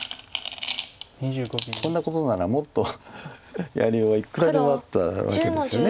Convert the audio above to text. こんなことならもっとやりようはいくらでもあったわけですよね